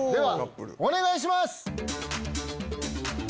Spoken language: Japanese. お願いします！